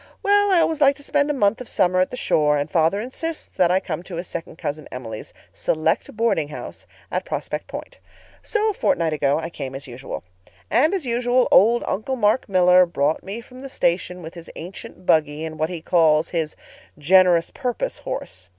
Well, I always like to spend a month of summer at the shore, and father insists that I come to his second cousin Emily's 'select boardinghouse' at Prospect Point. So a fortnight ago I came as usual. And as usual old 'Uncle Mark Miller' brought me from the station with his ancient buggy and what he calls his 'generous purpose' horse.